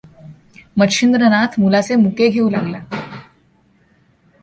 मच्छिंद्रनाथ मुलाचे मुके घेऊं लागला.